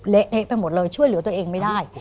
เละเทะไปหมดเลยช่วยเหลือตัวเองไม่ได้